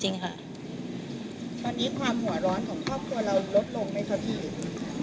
ตอนนี้ความหัวร้อนของครอบครัวเราลดลงไหมคะพี่